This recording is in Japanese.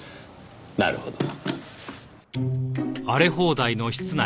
なるほど。